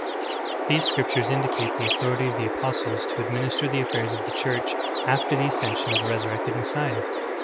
"*" 16. These scriptures indicate the authority of the apos tles to administer the affairs of the Church after the as cension of the Resurrected Messiah.